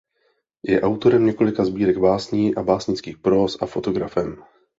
Je autorem několika sbírek básní a básnických próz a fotografem.